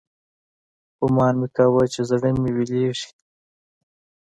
ګومان مې كاوه چې زړه مې ويلېږي.